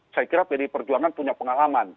saya kira pdi perjuangan punya pengalaman